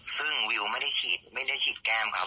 ซึ่งวิวไม่ได้ฉีดแก้มครับ